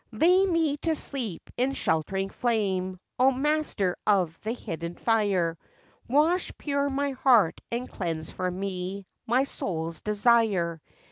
"Lay me to sleep in sheltering flame, O Master of the Hidden Fire, Wash pure my heart and cleanse for me My soul's desire.